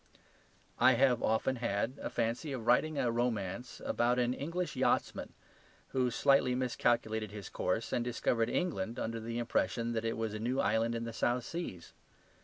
I have often had a fancy for writing a romance about an English yachtsman who slightly miscalculated his course and discovered England under the impression that it was a new island in the South Seas.